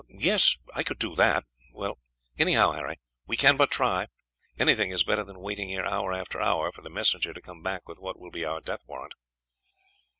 "Yes, I could do that. Well, anyhow, Harry, we can but try; anything is better than waiting here hour after hour for the messenger to come back with what will be our death warrant."